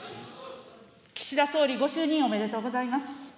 岸田総理、ご就任おめでとうございます。